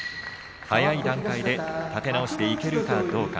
早い段階で立て直していけるかどうか。